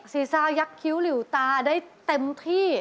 ซีซ่ายักษิ้วหลิวตาได้เต็มที่